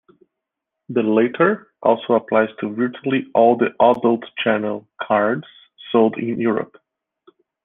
The latter also applies to virtually all the Adult channel cards sold in Europe.